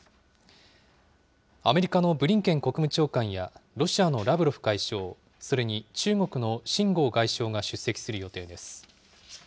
アメリカのブリンケン国務長官や、ロシアのラブロフ外相、それに中国の秦剛外相が出席する予定です。